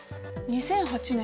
２００８年？